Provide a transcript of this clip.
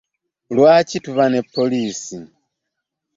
Lwaki tuba ne Poliisi?